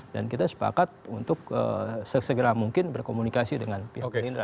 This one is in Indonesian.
dan kita sepakat untuk sesegera mungkin berkomunikasi dengan pihak gerindra